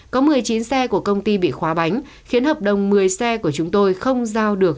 có một mươi chín xe của công ty bị khóa bánh khiến hợp đồng một mươi xe của chúng tôi không giao được